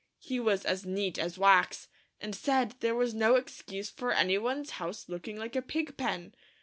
He was as neat as wax, and said there was no excuse for any one's house looking like a pig pen.